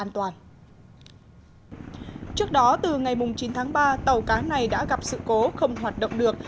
trước đó từ ngày chín tháng ba tàu cá này đã gặp sự cố không hoạt động được